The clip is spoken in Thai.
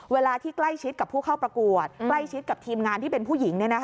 เวลาที่ใกล้ชิดกับผู้เข้าประกวดใกล้ชิดกับทีมงานที่เป็นผู้หญิง